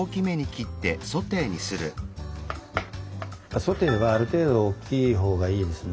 ソテーはある程度大きい方がいいですね。